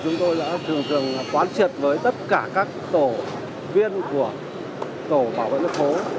chúng tôi đã thường thường quán triệt với tất cả các tổ viên của tổ bảo vệ nước hố